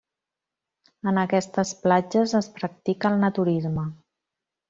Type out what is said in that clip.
En aquestes platges es practica el naturisme.